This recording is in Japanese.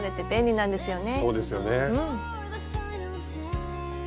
そうですよね。